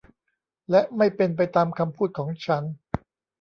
และไม่เป็นไปตามคำพูดของฉัน